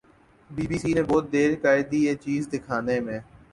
Be B C نے بہت دیر کردی یہ چیز دکھانے میں۔